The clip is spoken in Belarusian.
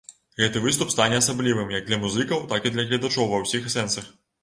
Гэты выступ стане асаблівым, як для музыкаў, так і для гледачоў ва ўсіх сэнсах.